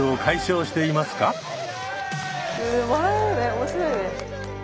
面白いね。